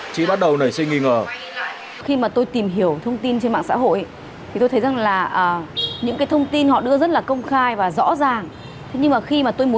chị bắt đầu nảy sinh nghi ngờ